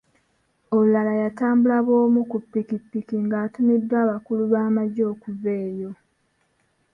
Olulala yatambula bw'omu ku ppikipiki ng'atumiddwa abakulu b'amaggye okuva eyo.